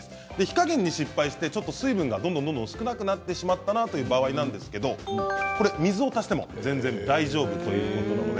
火加減に失敗して水分が少なくなってしまったという場合には水を足しても全然大丈夫ということです。